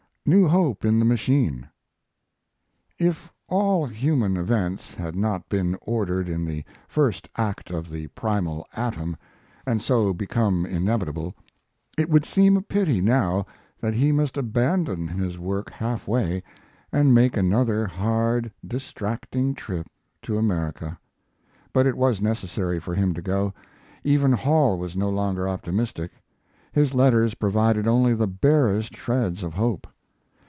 NEW HOPE IN THE MACHINE If all human events had not been ordered in the first act of the primal atom, and so become inevitable, it would seem a pity now that he must abandon his work half way, and make another hard, distracting trip to America. But it was necessary for him to go. Even Hall was no longer optimistic. His letters provided only the barest shreds of hope.